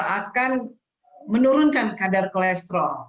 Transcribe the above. akan menurunkan kadar kolesterol